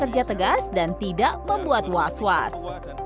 kerja tegas dan tidak membuat was was